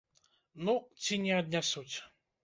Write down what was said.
Ну, ці не аднясуць.